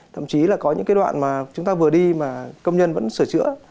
thậm chí là có những cái đoạn mà chúng ta vừa đi mà công nhân vẫn sửa chữa